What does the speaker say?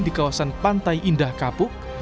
di kawasan pantai indah kapuk